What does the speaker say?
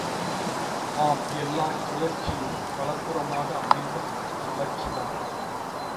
ஆம் எல்லாச் சுழற்சியும் வலப்புறமாக அமைந்த சுழற்சிதான்.